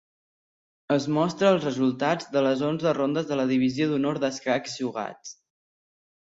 Es mostra els resultats de les onze rondes de la divisió d'honor d'escacs jugats.